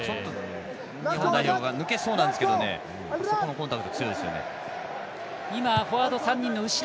日本代表が抜けそうなんですけどそこのコンタクト強いですね。